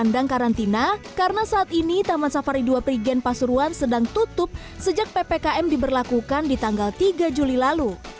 kandang karantina karena saat ini taman safari dua prigen pasuruan sedang tutup sejak ppkm diberlakukan di tanggal tiga juli lalu